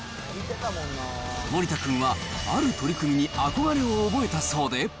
森田君は、ある取組に憧れを覚えたそうで。